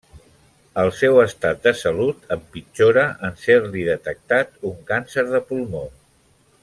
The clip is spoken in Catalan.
El seu estat de salut empitjora en ser-li detectat un càncer de pulmó.